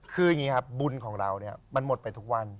คืออย่างนี้ครับบุญของเราเนี่ยมันหมดไปทุกวัน